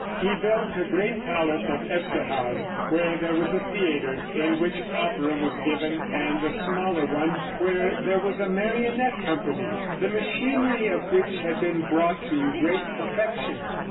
He built a great palace at Esterhaz, where there was a theater, in which opera was given, and a smaller one where there was a marionette company, the machinery of which had been brought to great perfection.